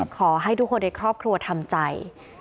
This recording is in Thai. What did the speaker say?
ขอให้ทุกคนในครอบครัวทำใจ